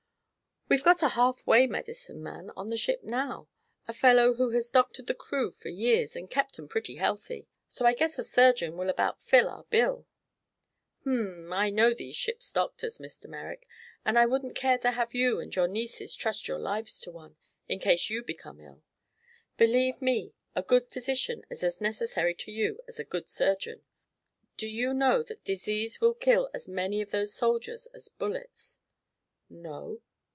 "We've got a half way medicine man on the ship now a fellow who has doctored the crew for years and kept 'em pretty healthy. So I guess a surgeon will about fill our bill." "H m, I know these ship's doctors, Mr. Merrick, and I wouldn't care to have you and your nieces trust your lives to one, in case you become ill. Believe me, a good physician is as necessary to you as a good surgeon. Do you know that disease will kill as many of those soldiers as bullets?" "No."